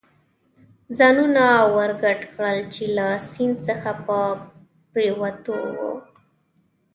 ځانونه ور ګډ کړل، چې له سیند څخه په پورېوتو و.